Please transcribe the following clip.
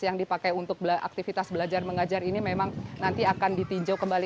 yang dipakai untuk aktivitas belajar mengajar ini memang nanti akan ditinjau kembali